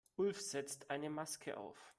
Ulf setzte eine Maske auf.